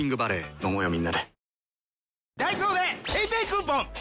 飲もうよみんなで。